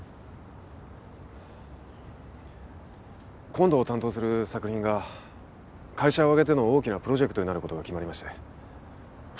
今度担当する作品が会社を挙げての大きなプロジェクトになることが決まりまして。